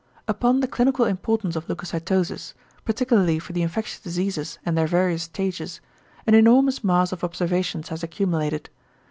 Upon the clinical importance of leucocytosis, particularly for the infectious diseases and their various stages, an enormous mass of observations has accumulated.